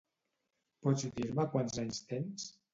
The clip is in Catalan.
Pots dir-me quants anys tens?